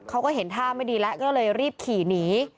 เขาก็เห็นท่าไม่ดีแล้วก็เลยรีบขี่หนี